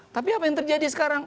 tapi apa yang terjadi sekarang